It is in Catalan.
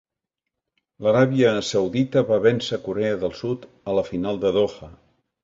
L'Aràbia Saudita va vèncer Corea del Sud a la final de Doha.